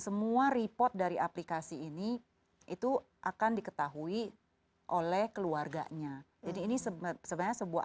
semua report dari aplikasi ini itu akan diketahui oleh keluarganya jadi ini sebenarnya sebuah